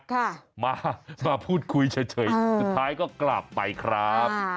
ค่ะมามาพูดคุยเฉยสุดท้ายก็กลับไปครับ